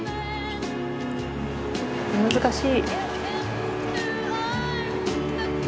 難しい！